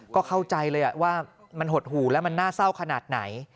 ก็เข้าใจเลยว่ามันหดหู่แล้วมันน่าเศร้าขนาดไหน